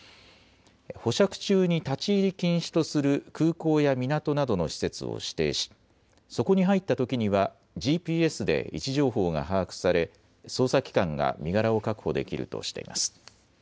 保釈中に立ち入り禁止とする空港や港などの施設を指定しそこに入ったときにはＧＰＳで位置情報が把握され捜査機関が身柄を確保できるとしています。